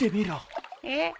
えっ？